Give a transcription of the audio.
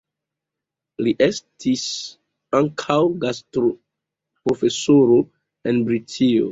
Li estis ankaŭ gastoprofesoro en Britio.